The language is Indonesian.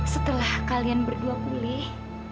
setelah kalian berdua pulih